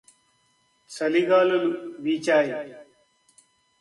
చలిగాలులు వీచాయి